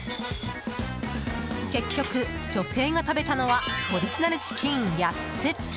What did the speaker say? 結局、女性が食べたのはオリジナルチキン８つ。